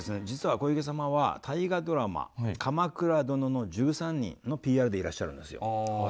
実は小池様は大河ドラマ「鎌倉殿の１３人」のＰＲでいらっしゃるんですよ。